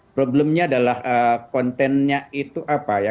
problemnya adalah kontennya itu apa ya